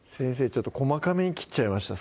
ちょっと細かめに切っちゃいました